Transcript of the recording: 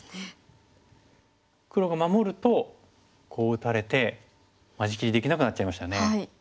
黒が守るとこう打たれて間仕切りできなくなっちゃいましたね。